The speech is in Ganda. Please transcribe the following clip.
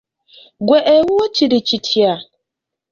Ggwe ewuwo kiri kitya ?